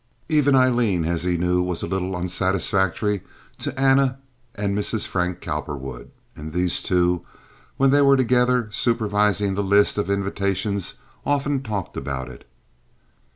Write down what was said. Even Aileen as he knew was a little unsatisfactory to Anna and Mrs. Frank Cowperwood; and these two, when they were together supervising the list of invitations, often talked about it.